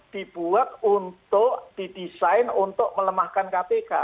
dibuat untuk didesain untuk melemahkan kpk